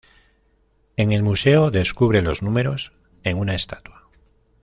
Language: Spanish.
En el museo, descubre los números en una estatua.